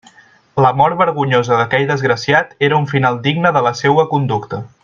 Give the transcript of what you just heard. La mort vergonyosa d'aquell desgraciat era un final digne de la seua conducta.